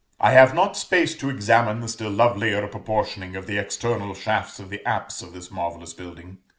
I have not space to examine the still lovelier proportioning of the external shafts of the apse of this marvellous building.